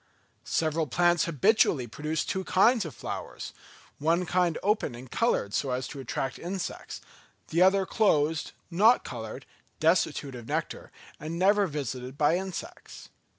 Several plants habitually produce two kinds of flowers; one kind open and coloured so as to attract insects; the other closed, not coloured, destitute of nectar, and never visited by insects.